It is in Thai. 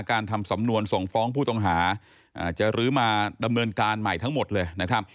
ทำสำนวนส่งฟ้องผู้ต้องหาจะรื้อมาดำเนินการใหม่ทั้งหมดเลยนะครับ